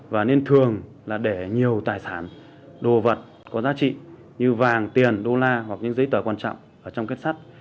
và nên thường là để nhiều tài sản đồ vật có giá trị như vàng tiền đô la hoặc những giấy tờ quan trọng ở trong kết sắt